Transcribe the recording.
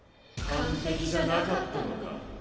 完璧じゃなかったのか。